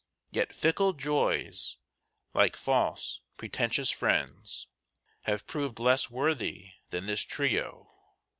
Yet fickle joys, like false, pretentious friends, Have proved less worthy than this trio.